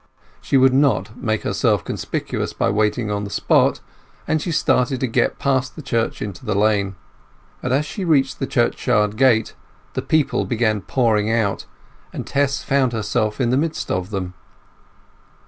She would not make herself conspicuous by waiting on the spot, and she started to get past the church into the lane. But as she reached the churchyard gate the people began pouring out, and Tess found herself in the midst of them.